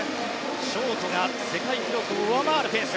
ショートが世界記録を上回るペース。